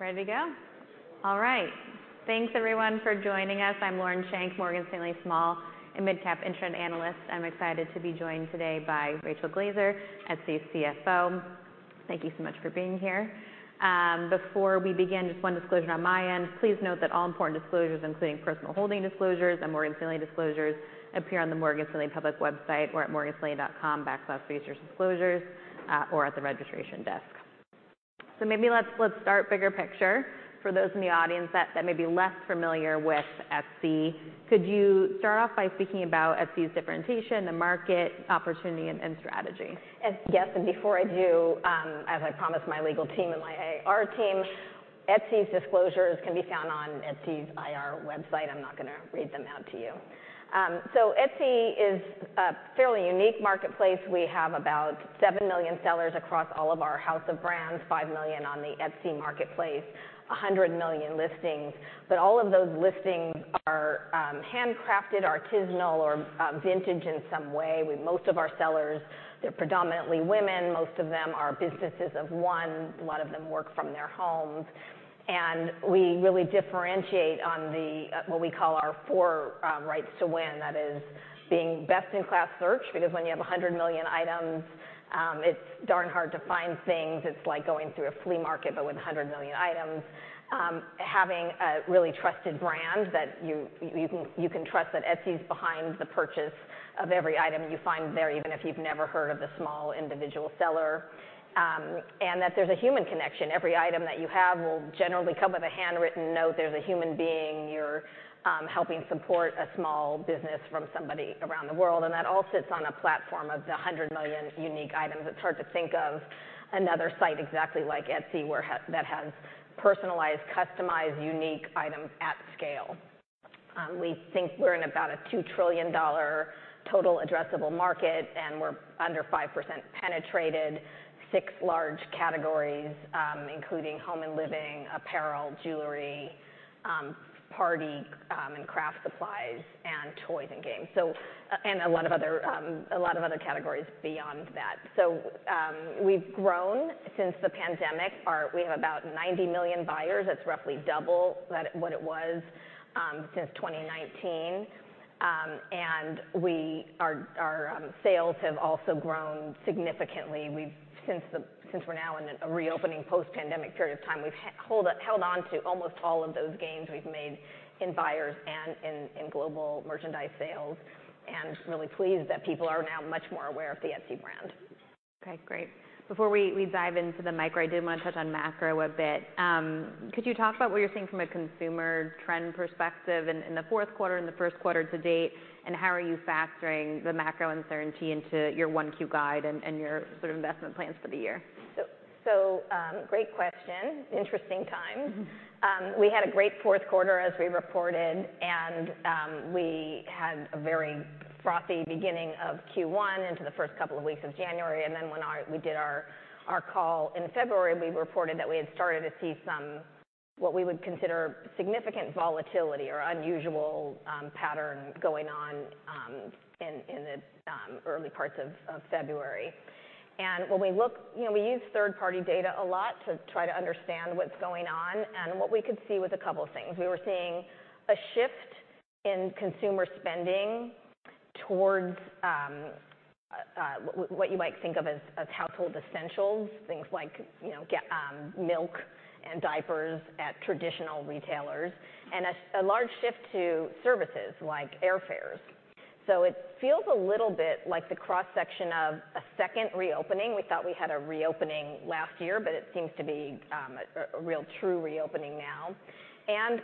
Ready to go? All right. Thanks everyone for joining us. I'm Lauren Schenk, Morgan Stanley Small in Midcap Internet Analyst. I'm excited to be joined today by Rachel Glaser, Etsy's CFO. Thank you so much for being here. Before we begin, just one disclosure on my end. Please note that all important disclosures, including personal holding disclosures and Morgan Stanley disclosures, appear on the Morgan Stanley public website. We're at morganstanley.com\researchdisclosures, or at the registration desk. Maybe let's start bigger picture. For those in the audience that may be less familiar with Etsy, could you start off by speaking about Etsy's differentiation, the market opportunity, and strategy? Yes. Before I do, as I promised my legal team and my AR team, Etsy's disclosures can be found on Etsy's IR website. I'm not gonna read them out to you. Etsy is a fairly unique marketplace. We have about 7 million sellers across all of our House of Brands, 5 million on the Etsy marketplace, 100 million listings. All of those listings are handcrafted, artisanal, or vintage in some way. With most of our sellers, they're predominantly women. Most of them are businesses of one. A lot of them work from their homes. We really differentiate on the what we call our four rights to win. That is being best in class search because when you have 100 million items, it's darn hard to find things. It's like going through a flea market, but with 100 million items. Having a really trusted brand that you can trust that Etsy's behind the purchase of every item you find there, even if you've never heard of the small individual seller. That there's a human connection. Every item that you have will generally come with a handwritten note. There's a human being. You're helping support a small business from somebody around the world, and that all sits on a platform of the 100 million unique items. It's hard to think of another site exactly like Etsy where that has personalized, customized, unique items at scale. We think we're in about a $2 trillion total addressable market, and we're under 5% penetrated six large categories, including home and living, apparel, jewelry, party, and craft supplies, and toys and games. A lot of other categories beyond that. We've grown since the pandemic. We have about 90 million buyers. That's roughly double what it was since 2019. Our sales have also grown significantly. Since we're now in a reopening post-pandemic period of time, we've held on to almost all of those gains we've made in buyers and in global merchandise sales. Really pleased that people are now much more aware of the Etsy brand. Okay. Great. Before we dive into the micro, I did wanna touch on macro a bit. Could you talk about what you're seeing from a consumer trend perspective in the fourth quarter and the first quarter to date, and how are you factoring the macro uncertainty into your one Q guide and your sort of investment plans for the year? Great question. Interesting times. We had a great fourth quarter, as we reported, and we had a very frothy beginning of Q1 into the first couple of weeks of January. Then when we did our call in February, we reported that we had started to see some, what we would consider significant volatility or unusual pattern going on in the early parts of February. When we look. You know, we use third-party data a lot to try to understand what's going on, and what we could see was a couple things. We were seeing a shift in consumer spending towards what you might think of as household essentials. Things like, you know, get milk and diapers at traditional retailers, and a large shift to services like airfares. It feels a little bit like the cross-section of a second reopening. We thought we had a reopening last year, but it seems to be a real true reopening now.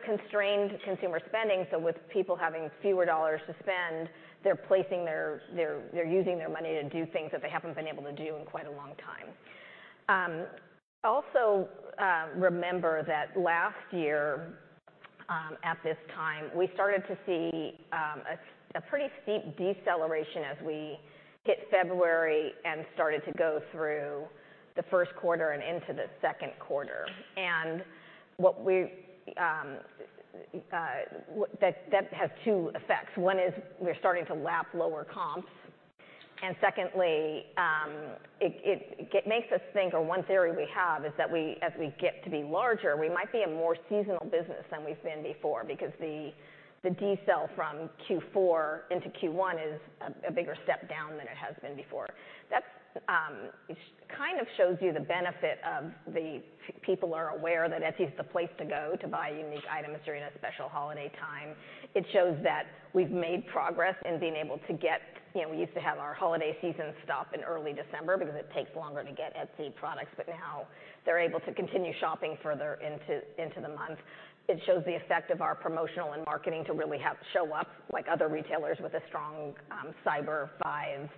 Constrained consumer spending, so with people having fewer dollars to spend, they're using their money to do things that they haven't been able to do in quite a long time. Also, remember that last year, at this time, we started to see a pretty steep deceleration as we hit February and started to go through the first quarter and into the second quarter. What we, that has two effects. One is we're starting to lap lower comps. Secondly, it makes us think or one theory we have is that as we get to be larger, we might be a more seasonal business than we've been before because the decel from Q4 into Q1 is a bigger step down than it has been before. That kind of shows you the benefit of people are aware that Etsy is the place to go to buy unique items during a special holiday time. It shows that we've made progress in being able to get... You know, we used to have our holiday season stop in early December because it takes longer to get Etsy products, Now they're able to continue shopping further into the month. It shows the effect of our promotional and marketing to really have show up like other retailers with a strong Cyber Five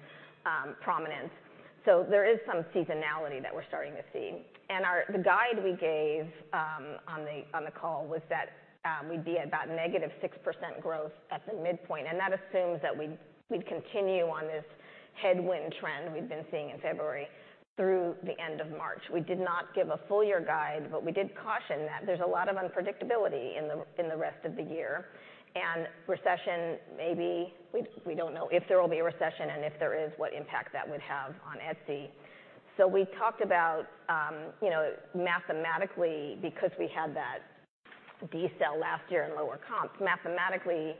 prominence. There is some seasonality that we're starting to see. The guide we gave on the call was that we'd be at about negative 6% growth at the midpoint, and that assumes that we'd continue on this headwind trend we've been seeing in February through the end of March. We did not give a full year guide, but we did caution that there's a lot of unpredictability in the rest of the year. Recession, maybe, we don't know if there will be a recession, and if there is, what impact that would have on Etsy. We talked about, you know, mathematically because we had that decel last year in lower comps, mathematically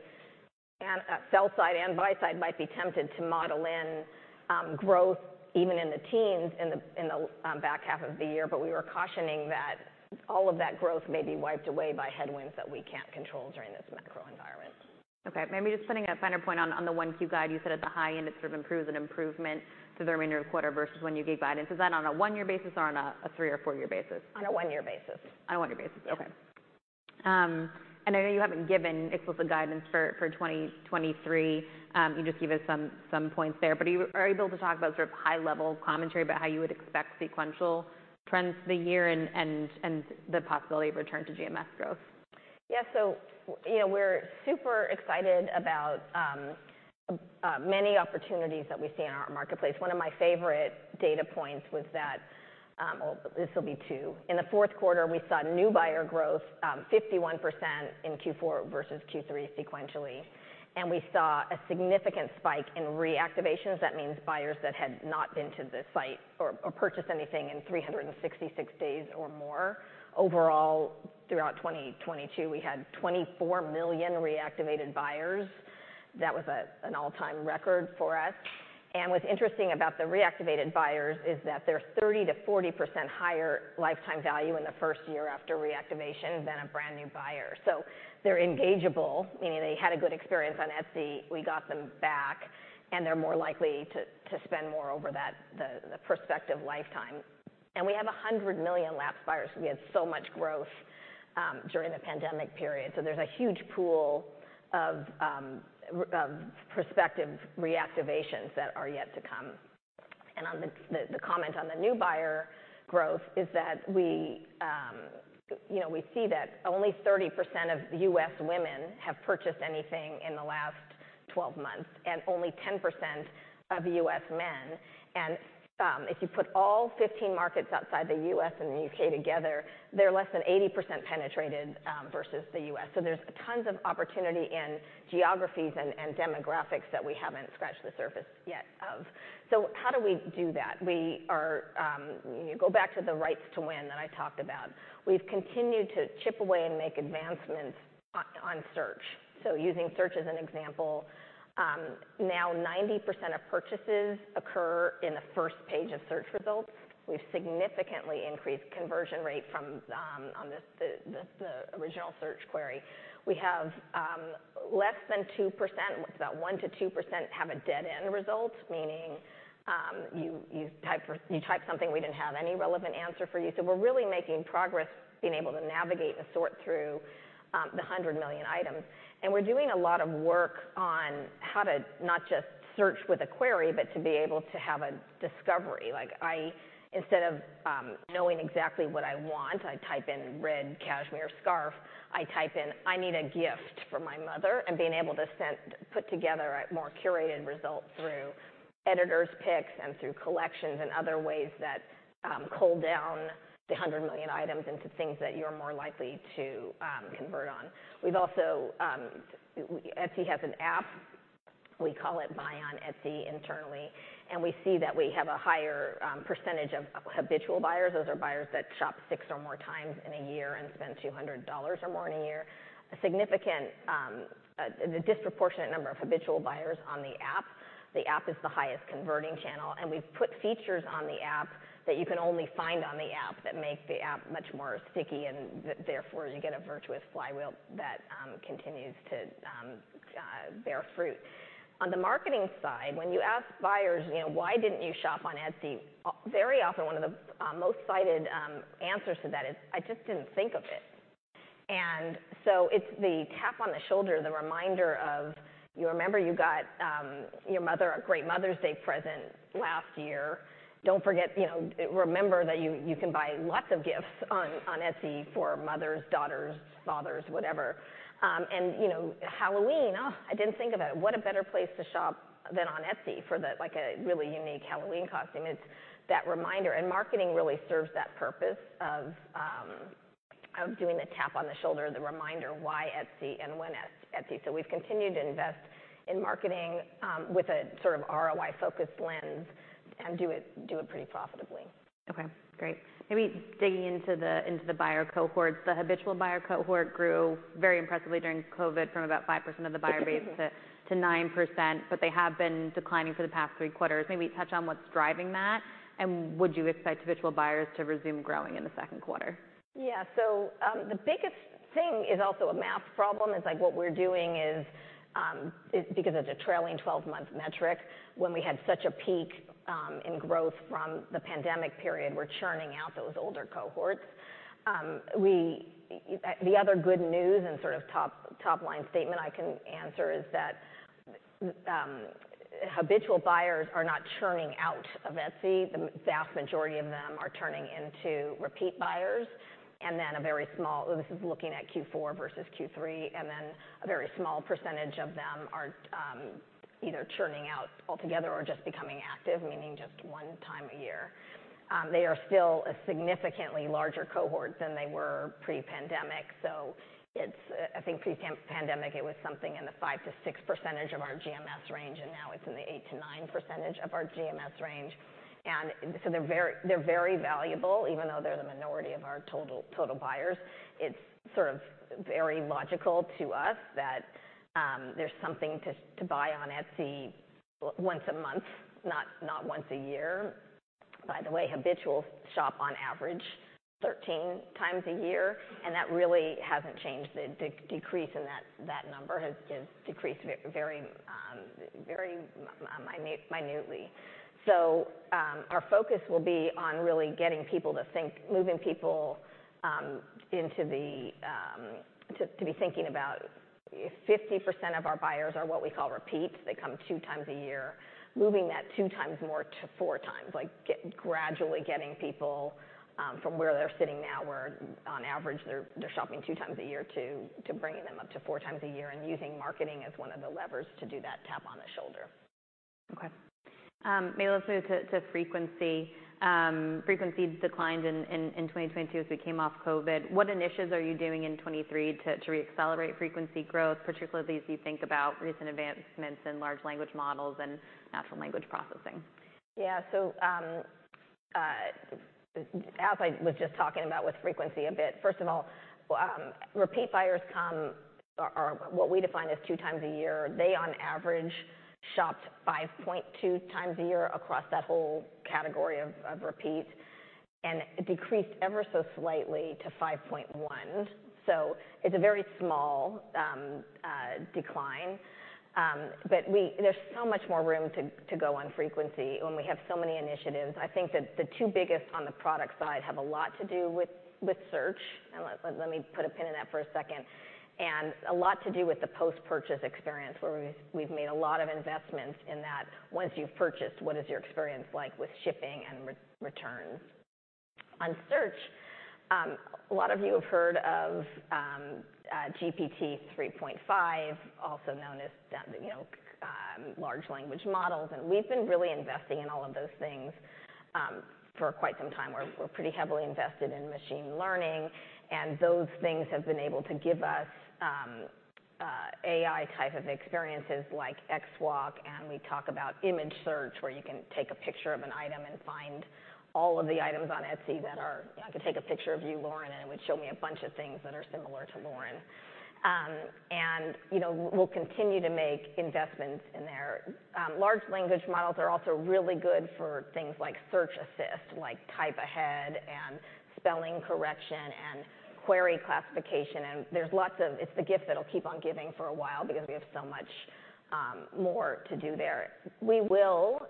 and sell side and buy side might be tempted to model in growth even in the teens in the back half of the year. We were cautioning that all of that growth may be wiped away by headwinds that we can't control during this macro environment. Okay. Maybe just putting a finer point on the 1Q guide, you said at the high end, it sort of improves an improvement to the remainder of the quarter versus when you gave guidance. Is that on a one-year basis or on a three or four-year basis? On a one-year basis. On a one-year basis. Yeah. Okay. I know you haven't given explicit guidance for 2023. You just gave us some points there. Are you able to talk about sort of high-level commentary about how you would expect sequential trends for the year and the possibility of return to GMS growth? Yeah. You know, we're super excited about many opportunities that we see in our marketplace. One of my favorite data points was that, or this'll be two. In the fourth quarter, we saw new buyer growth, 51% in Q4 versus Q3 sequentially. We saw a significant spike in reactivations. That means buyers that had not been to the site or purchased anything in 366 days or more. Overall, throughout 2022, we had 24 million reactivated buyers. That was an all-time record for us. What's interesting about the reactivated buyers is that they're 30%-40% higher lifetime value in the first year after reactivation than a brand-new buyer. They're engageable, meaning they had a good experience on Etsy. We got them back, and they're more likely to spend more over that the prospective lifetime. We have 100 million lapsed buyers. We had so much growth during the pandemic period, so there's a huge pool of prospective reactivations that are yet to come. On the comment on the new buyer growth is that we, you know, we see that only 30% of U.S. women have purchased anything in the last 12 months, and only 10% of U.S. men. If you put all 15 markets outside the U.S. and the U.K. together, they're less than 80% penetrated versus the U.S. There's tons of opportunity in geographies and demographics that we haven't scratched the surface yet of. How do we do that? We are, you know, go back to the rights to win that I talked about. We've continued to chip away and make advancements on search. Using search as an example, now 90% of purchases occur in the first page of search results. We've significantly increased conversion rate from the original search query. We have less than 2%. It's about 1%-2% have a dead end result, meaning you type something, we didn't have any relevant answer for you. We're really making progress being able to navigate and sort through the 100 million items. We're doing a lot of work on how to not just search with a query, but to be able to have a discovery. Like, I instead of knowing exactly what I want, I type in "red cashmere scarf," I type in, "I need a gift for my mother," and being able to put together a more curated result through editors' picks and through collections and other ways that cull down the 100 million items into things that you're more likely to convert on. We've also Etsy has an app, we call it Buy on Etsy internally, and we see that we have a higher percentage of habitual buyers. Those are buyers that shop 6 or more times in a year and spend $200 or more in a year. A significant, the disproportionate number of habitual buyers on the app. The app is the highest converting channel, and we've put features on the app that you can only find on the app that make the app much more sticky and therefore, you get a virtuous flywheel that continues to bear fruit. On the marketing side, when you ask buyers, you know, "Why didn't you shop on Etsy?" Very often one of the most cited answers to that is, "I just didn't think of it." It's the tap on the shoulder, the reminder of, "You remember you got your mother a great Mother's Day present last year. Don't forget, you know, remember that you can buy lots of gifts on Etsy for mothers, daughters, fathers, whatever." You know, Halloween, "Oh, I didn't think of it. What a better place to shop than on Etsy for the, like, a really unique Halloween costume." It's that reminder. Marketing really serves that purpose of doing the tap on the shoulder, the reminder why Etsy and when Etsy. We've continued to invest in marketing, with a sort of ROI-focused lens and do it pretty profitably. Okay, great. Maybe digging into the buyer cohorts. The habitual buyer cohort grew very impressively during COVID from about 5% of the buyer base to 9%, they have been declining for the past three quarters. Maybe touch on what's driving that. Would you expect habitual buyers to resume growing in the second quarter? The biggest thing is also a math problem. It's like what we're doing is because it's a trailing 12-month metric. When we had such a peak in growth from the pandemic period, we're churning out those older cohorts. The other good news and sort of top-line statement I can answer is that habitual buyers are not churning out of Etsy. The vast majority of them are turning into repeat buyers. This is looking at Q4 versus Q3, and then a very small percentage of them are either churning out altogether or just becoming active, meaning just 1 time a year. They are still a significantly larger cohort than they were pre-pandemic. It's, I think pre-pandemic it was something in the 5%-6% of our GMS range, and now it's in the 8%-9% of our GMS range. They're very valuable, even though they're the minority of our total buyers. It's sort of very logical to us that there's something to buy on Etsy once a month, not once a year. By the way, habitual shop on average 13 times a year, and that really hasn't changed. The decrease in that number has decreased very minutely. Our focus will be on really getting people to think, moving people into the to be thinking about... 50% of our buyers are what we call repeats. They come 2 times a year. Moving that 2 times more to 4 times, like gradually getting people from where they're sitting now, where on average they're shopping 2 times a year to bringing them up to 4 times a year and using marketing as one of the levers to do that tap on the shoulder. Okay. Maybe let's move to frequency. Frequency declined in 2022 as we came off COVID. What initiatives are you doing in 2023 to reaccelerate frequency growth, particularly as you think about recent advancements in large language models and Natural Language Processing? As I was just talking about with frequency a bit, first of all, repeat buyers are what we define as 2 times a year. They on average shopped 5.2 times a year across that whole category of repeat and decreased ever so slightly to 5.1. It's a very small decline. There's so much more room to go on frequency when we have so many initiatives. I think that the 2 biggest on the product side have a lot to do with search, and let me put a pin in that for a second, and a lot to do with the post-purchase experience where we've made a lot of investments in that. Once you've purchased, what is your experience like with shipping and re-return? On search, a lot of you have heard of GPT-3.5, also known as the, you know, large language models, and we've been really investing in all of those things for quite some time. We're pretty heavily invested in machine learning, and those things have been able to give us AI type of experiences like XWalk, and we talk about image search where you can take a picture of an item and find all of the items on Etsy that are I could take a picture of you, Lauren, and it would show me a bunch of things that are similar to Lauren. You know, we'll continue to make investments in there. Large language models are also really good for things like search assist, like type ahead and spelling correction and query classification. It's the gift that'll keep on giving for a while because we have so much more to do there. We will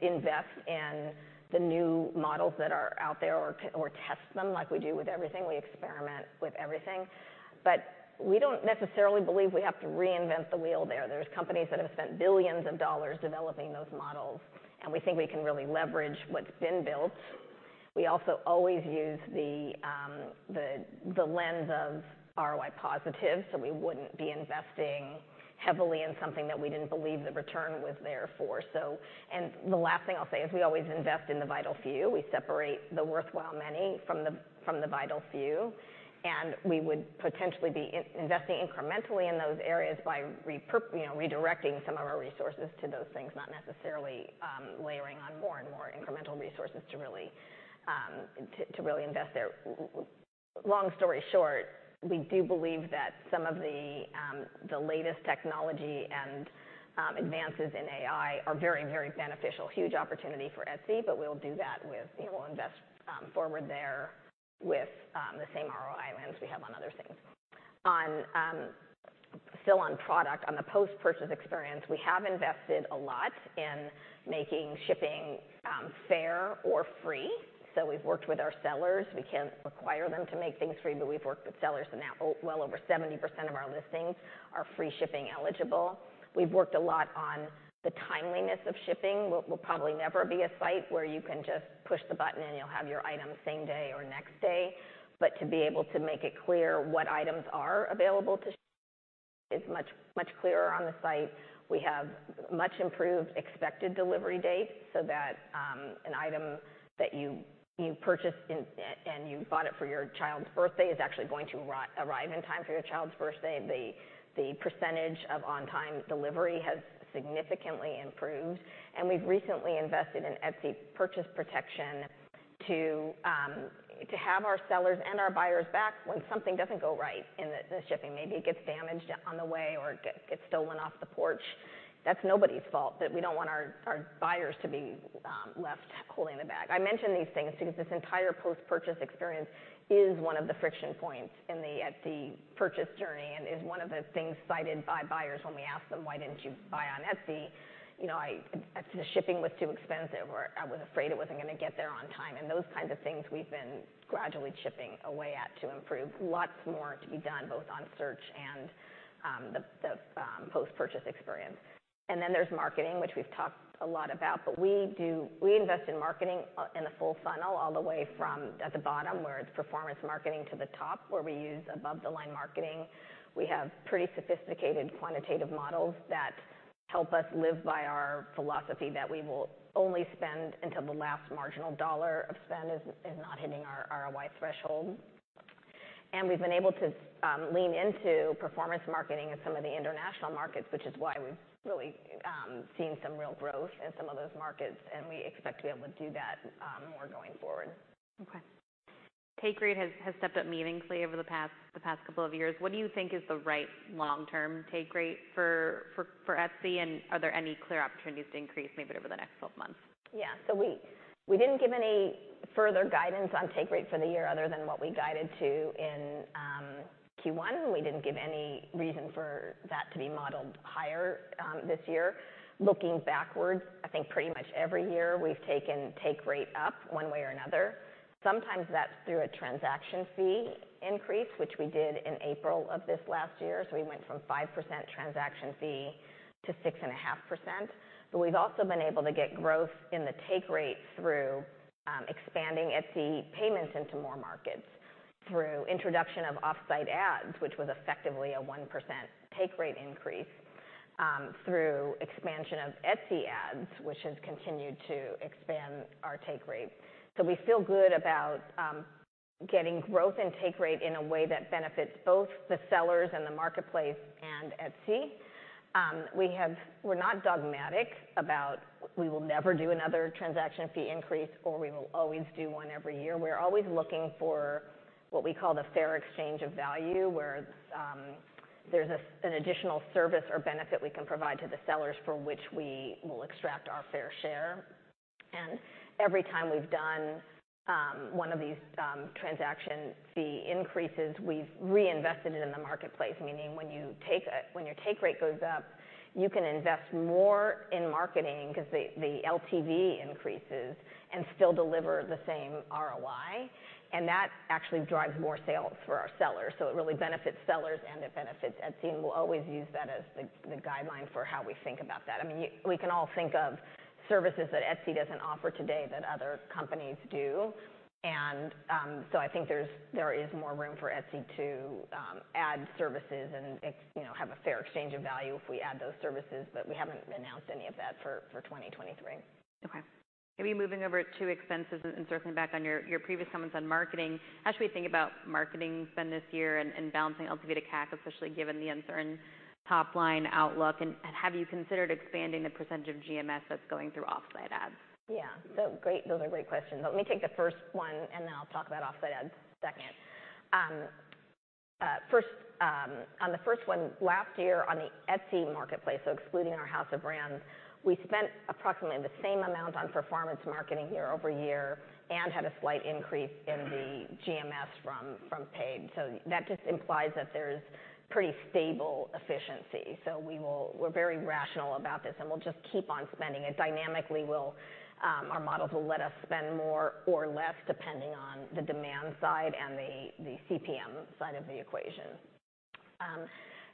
invest in the new models that are out there or test them like we do with everything. We experiment with everything. We don't necessarily believe we have to reinvent the wheel there. There's companies that have spent billions of dollars developing those models, and we think we can really leverage what's been built. We also always use the lens of ROI positive, we wouldn't be investing heavily in something that we didn't believe the return was there for. The last thing I'll say is we always invest in the vital few. We separate the worthwhile many from the vital few, and we would potentially be investing incrementally in those areas by you know, redirecting some of our resources to those things, not necessarily layering on more and more incremental resources to really invest there. Long story short, we do believe that some of the latest technology and advances in AI are very, very beneficial. Huge opportunity for Etsy, we'll do that with, you know, we'll invest forward there with the same ROI lens we have on other things. On still on product, on the post-purchase experience, we have invested a lot in making shipping fair or free. We've worked with our sellers. We can't require them to make things free, but we've worked with sellers, and now well over 70% of our listings are free shipping eligible. We've worked a lot on the timeliness of shipping. We'll probably never be a site where you can just push the button and you'll have your item same day or next day. To be able to make it clear what items are available to ship is much, much clearer on the site. We have much improved expected delivery date so that an item that you purchased and you bought it for your child's birthday is actually going to arrive in time for your child's birthday. The percentage of on-time delivery has significantly improved. We've recently invested in Etsy Purchase Protection to have our sellers and our buyers back when something doesn't go right in the shipping. Maybe it gets damaged on the way or gets stolen off the porch. That's nobody's fault, but we don't want our buyers to be left holding the bag. I mention these things because this entire post-purchase experience is one of the friction points in the Etsy purchase journey and is one of the things cited by buyers when we ask them, "Why didn't you buy on Etsy?" You know, the shipping was too expensive, or I was afraid it wasn't gonna get there on time. Those kinds of things we've been gradually chipping away at to improve. Lots more to be done, both on search and the post-purchase experience. There's marketing, which we've talked a lot about. We invest in marketing in the full funnel all the way from at the bottom, where it's performance marketing to the top, where we use above-the-line marketing. We have pretty sophisticated quantitative models that help us live by our philosophy that we will only spend until the last marginal dollar of spend is not hitting our ROI threshold. We've been able to lean into performance marketing in some of the international markets, which is why we've really seen some real growth in some of those markets, and we expect to be able to do that more going forward. Okay. Take rate has stepped up meaningfully over the past couple of years. What do you think is the right long-term take rate for Etsy? Are there any clear opportunities to increase maybe over the next 12 months? We didn't give any further guidance on take rate for the year other than what we guided to in Q1. We didn't give any reason for that to be modeled higher this year. Looking backwards, I think pretty much every year we've taken take rate up one way or another. Sometimes that's through a transaction fee increase, which we did in April of this last year. We went from 5% transaction fee to 6.5%. We've also been able to get growth in the take rate through expanding Etsy Payments into more markets through introduction of Offsite Ads, which was effectively a 1% take rate increase, through expansion of Etsy Ads, which has continued to expand our take rate. We feel good about getting growth and take rate in a way that benefits both the sellers and the marketplace and Etsy. We're not dogmatic about we will never do another transaction fee increase, or we will always do one every year. We're always looking for what we call the fair exchange of value, where there's this, an additional service or benefit we can provide to the sellers for which we will extract our fair share. Every time we've done one of these transaction fee increases, we've reinvested it in the marketplace, meaning when your take rate goes up, you can invest more in marketing because the LTV increases and still deliver the same ROI. That actually drives more sales for our sellers. It really benefits sellers and it benefits Etsy, and we'll always use that as the guideline for how we think about that. I mean, we can all think of services that Etsy doesn't offer today that other companies do. I think there is more room for Etsy to add services and you know, have a fair exchange of value if we add those services, but we haven't announced any of that for 2023. Okay. Maybe moving over to expenses and circling back on your previous comments on marketing. How should we think about marketing spend this year and balancing LTV to CAC, especially given the uncertain top-line outlook? Have you considered expanding the percentage of GMS that's going through Offsite Ads? Yeah. Those are great questions. Let me take the first one, and then I'll talk about Offsite Ads second. First, on the first one, last year on the Etsy marketplace, so excluding our House of Brands, we spent approximately the same amount on performance marketing year-over-year and had a slight increase in the GMS from paid. That just implies that there's pretty stable efficiency. We're very rational about this, and we'll just keep on spending. It dynamically will, our models will let us spend more or less, depending on the demand side and the CPM side of the equation.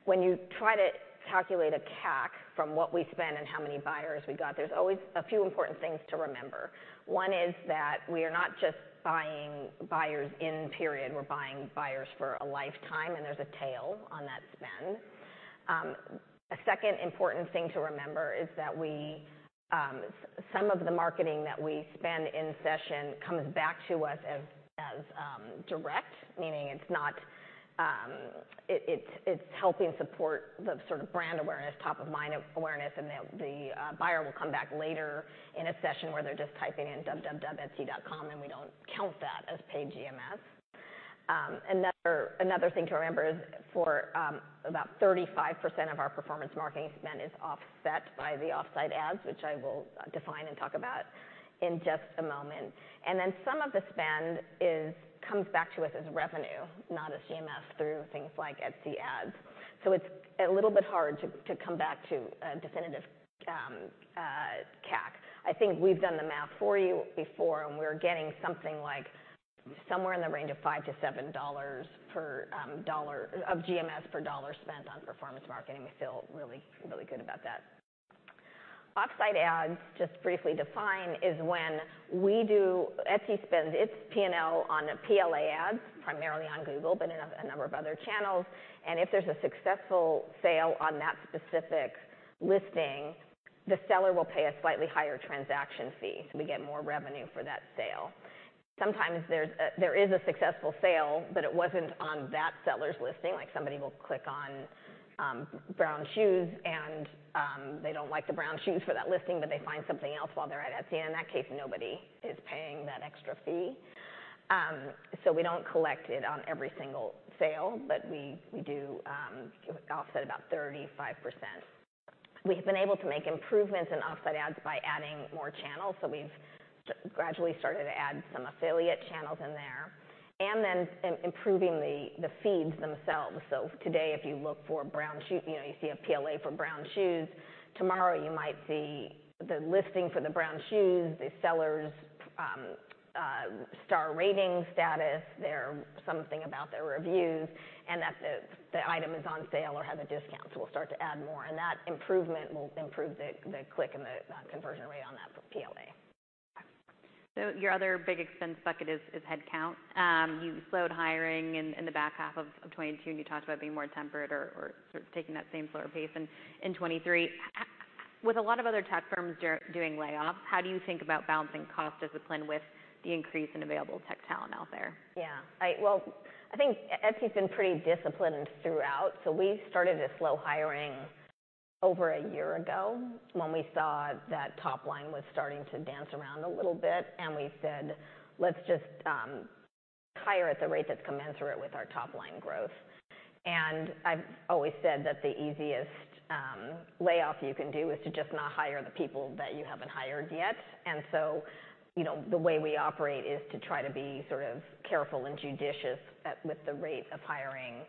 When you try to calculate a CAC from what we spend and how many buyers we got, there's always a few important things to remember. One is that we are not just buying buyers in period. We're buying buyers for a lifetime, and there's a tail on that spend. A second important thing to remember is that we, some of the marketing that we spend in session comes back to us as direct, meaning it's not, it's helping support the sort of brand awareness, top of mind awareness, and that the buyer will come back later in a session where they're just typing in www.Etsy.com, and we don't count that as paid GMS. Another thing to remember is for about 35% of our performance marketing spend is offset by the Offsite Ads, which I will define and talk about in just a moment. Some of the spend is, comes back to us as revenue, not as GMS through things like Etsy Ads. It's a little bit hard to come back to a definitive CAC. I think we've done the math for you before, and we're getting something like somewhere in the range of $5-$7 per dollar of GMS per dollar spent on performance marketing. We feel really good about that. Offsite Ads, just briefly define, is when Etsy spends its P&L on the PLA ads, primarily on Google, but in a number of other channels. If there's a successful sale on that specific listing, the seller will pay a slightly higher transaction fee, so we get more revenue for that sale. Sometimes there's a successful sale, but it wasn't on that seller's listing. Somebody will click on brown shoes, they don't like the brown shoes for that listing, but they find something else while they're at Etsy, and in that case, nobody is paying that extra fee. We don't collect it on every single sale, but we do offset about 35%. We've been able to make improvements in Offsite Ads by adding more channels. We've gradually started to add some affiliate channels in there and then improving the feeds themselves. Today, if you look for brown shoe, you know, you see a PLA for brown shoes. Tomorrow, you might see the listing for the brown shoes, the seller's star rating status, something about their reviews, and that the item is on sale or has a discount. We'll start to add more, and that improvement will improve the click and the conversion rate on that PLA. Your other big expense bucket is headcount. You slowed hiring in the back half of 2022, and you talked about being more tempered or sort of taking that same slower pace in 2023. How With a lot of other tech firms doing layoffs, how do you think about balancing cost discipline with the increase in available tech talent out there? Yeah. Well, I think Etsy's been pretty disciplined throughout. We started to slow hiring over 1 year ago, when we saw that top line was starting to dance around a little bit, and we said, "Let's just hire at the rate that's commensurate with our top line growth." I've always said that the easiest layoff you can do is to just not hire the people that you haven't hired yet. You know, the way we operate is to try to be sort of careful and judicious at, with the rate of hiring,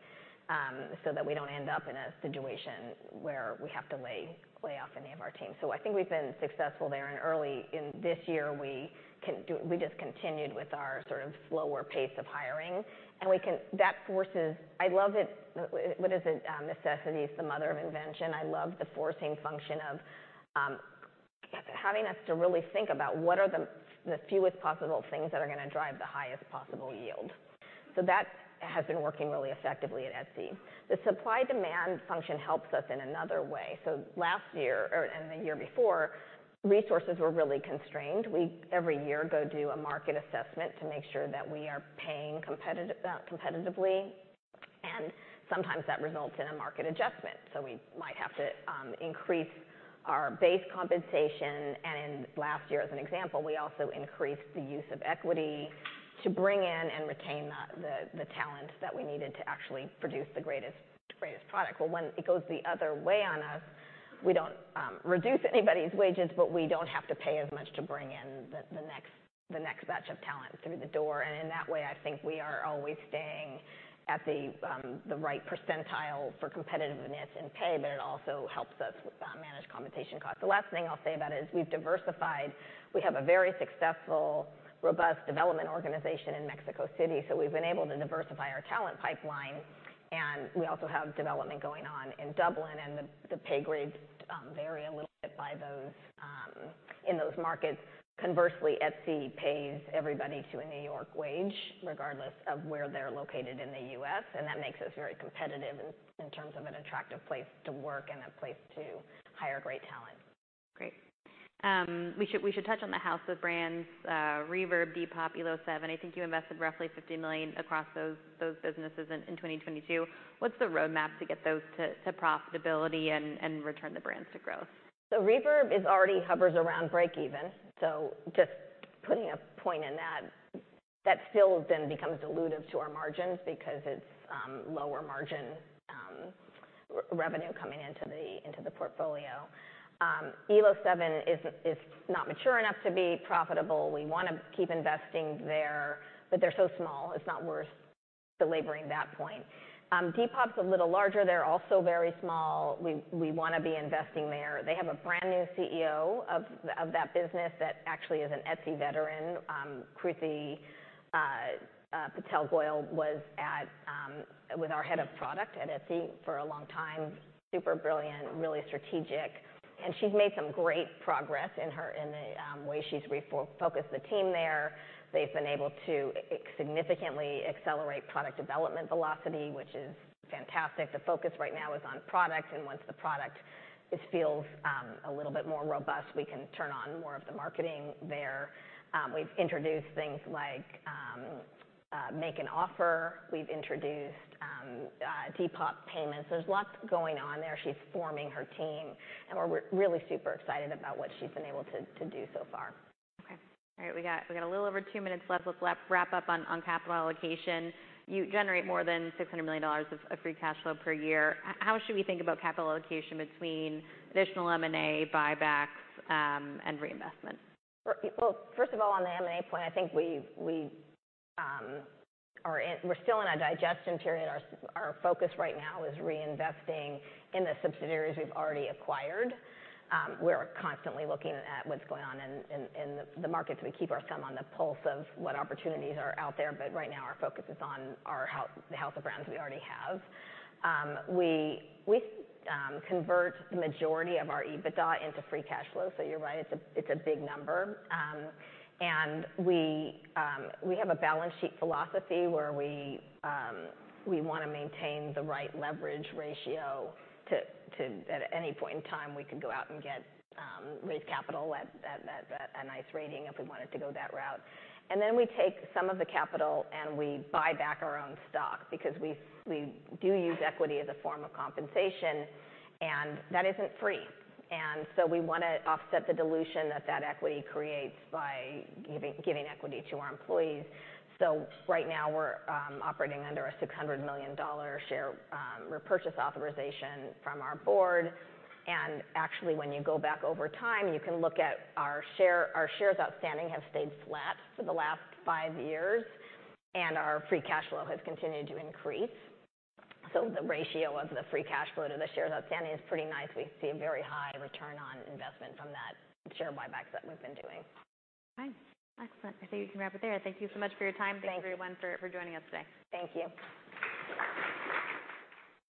so that we don't end up in a situation where we have to lay off any of our team. I think we've been successful there. Early in this year, we just continued with our sort of slower pace of hiring. That forces... I love it. What is it? Necessity is the mother of invention. I love the forcing function of having us to really think about what are the fewest possible things that are gonna drive the highest possible yield. That has been working really effectively at Etsy. The supply-demand function helps us in another way. Last year or, and the year before, resources were really constrained. We, every year, go do a market assessment to make sure that we are paying competitive competitively, and sometimes that results in a market adjustment. We might have to increase our base compensation. In last year, as an example, we also increased the use of equity to bring in and retain the talent that we needed to actually produce the greatest product. When it goes the other way on us, we don't reduce anybody's wages, but we don't have to pay as much to bring in the next batch of talent through the door. In that way, I think we are always staying at the right percentile for competitiveness and pay, but it also helps us manage compensation costs. The last thing I'll say about it is we've diversified. We have a very successful, robust development organization in Mexico City, so we've been able to diversify our talent pipeline, and we also have development going on in Dublin and the pay grades vary a little bit by those in those markets. Conversely, Etsy pays everybody to a New York wage, regardless of where they're located in the U.S., and that makes us very competitive in terms of an attractive place to work and a place to hire great talent. Great. We should touch on the House of Brands, Reverb.com, Depop, Elo7. I think you invested roughly $50 million across those businesses in 2022. What's the roadmap to get those to profitability and return the brands to growth? Reverb is already hovers around break even. Just putting a point in that still then becomes dilutive to our margins because it's lower margin revenue coming into the portfolio. Elo7 is not mature enough to be profitable. We wanna keep investing there, but they're so small, it's not worth belaboring that point. Depop's a little larger. They're also very small. We wanna be investing there. They have a brand-new CEO of that business that actually is an Etsy veteran. Kruti Patel Goyal was our head of product at Etsy for a long time. Super brilliant, really strategic, and she's made some great progress in her way she's refocused the team there. They've been able to significantly accelerate product development velocity, which is fantastic. The focus right now is on product. Once the product feels a little bit more robust, we can turn on more of the marketing there. We've introduced things like Make an Offer. We've introduced Depop Payments. There's lots going on there. She's forming her team. We're really super excited about what she's been able to do so far. Okay. All right, we got a little over two minutes left. Let's wrap up on capital allocation. You generate more than $600 million of free cash flow per year. How should we think about capital allocation between additional M&A buybacks and reinvestment? Well, first of all, on the M&A point, I think we're still in a digestion period. Our focus right now is reinvesting in the subsidiaries we've already acquired. We're constantly looking at what's going on in the markets. We keep our thumb on the pulse of what opportunities are out there, but right now, our focus is on the House of Brands we already have. We convert the majority of our EBITDA into free cash flow. You're right, it's a big number. We have a balance sheet philosophy where we wanna maintain the right leverage ratio to at any point in time, we could go out and get raise capital at a nice rating if we wanted to go that route. Then we take some of the capital, and we buy back our own stock because we do use equity as a form of compensation, and that isn't free. So we wanna offset the dilution that that equity creates by giving equity to our employees. So right now, we're operating under a $600 million share repurchase authorization from our board. Actually, when you go back over time, you can look at our shares outstanding have stayed flat for the last five years, and our free cash flow has continued to increase. So the ratio of the free cash flow to the shares outstanding is pretty nice. We see a very high return on investment from that share buybacks that we've been doing. Okay. Excellent. I think we can wrap up there. Thank you so much for your time. Thank you. Thank you, everyone, for joining us today. Thank you